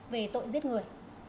về tội giết người